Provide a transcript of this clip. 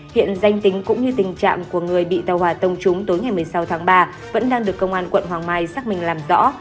hiện danh tính cũng như tình trạng của người bị tàu hỏa tông trúng tối ngày một mươi sáu tháng ba vẫn đang được công an quận hoàng mai xác minh làm rõ